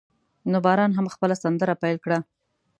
نو باران هم خپل سندره پیل کړه.